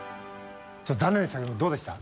残念でしたけどどうでした？